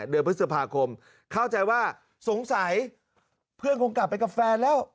เดือนพฤษภาคมเข้าใจว่าสงสัยเพื่อนคงกลับไปกับแฟนแล้ว